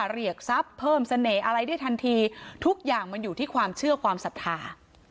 เรียกทรัพย์เพิ่มเสน่ห์อะไรได้ทันทีทุกอย่างมันอยู่ที่ความเชื่อความศรัทธา